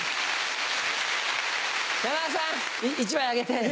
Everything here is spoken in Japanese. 山田さん１枚あげて。